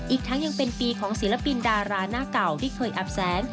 อีกทั้งยังเป็นปีของศิลปินดาราหน้าเก่าที่เคยอับแสน